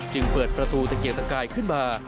จึงเปิดประตูตะเกียกตะกายขึ้นมา